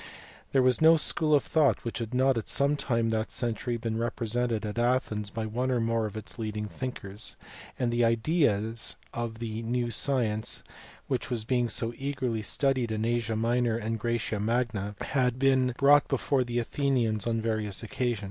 There was no school of thought which had not at some time in that century been represented at Athens by one or more of its leading thinkers ; and the ideas of the new science, which was being so eagerly studied in Asia Minor and Graecia Magna, had been brought before the Athenians on various occasions.